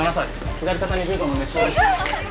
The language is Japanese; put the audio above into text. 左肩に重度の熱傷です。